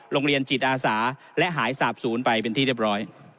โรงเรียนจิตอาสาและหายสาบศูนย์ไปเป็นที่เรียบร้อย